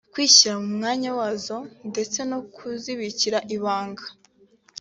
kwishyira mu mwanya wazo ndetse no kuzibikira ibanga